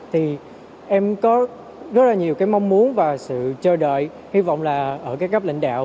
thì em có rất là nhiều cái mong muốn và sự chờ đợi hy vọng là ở các cấp lãnh đạo